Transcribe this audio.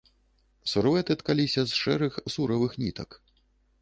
Сурвэты ткаліся з шэрых суравых нітак.